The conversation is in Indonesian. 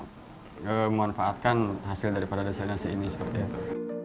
memanfaatkan hasil dari pada desalinasi ini seperti itu